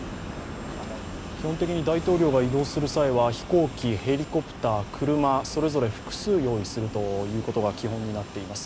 基本的に大統領が移動する際は飛行機、ヘリコプター、車、それぞれ複数用意するということが基本になっています。